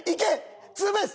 ツーベース！